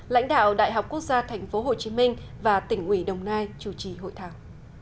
lãnh đạo đại học quốc gia tp hcm và tỉnh ủy đồng nai chủ trì hội thảo